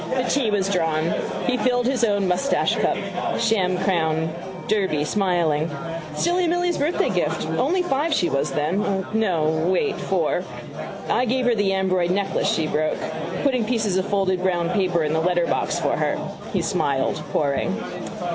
The tea was drawn. He filled his own moustachecup, sham crown Derby, smiling. Silly Milly's birthday gift. Only five she was then. No, wait: four. I gave her the amberoid necklace she broke. Putting pieces of folded brown paper in the letterbox for her. He smiled, pouring.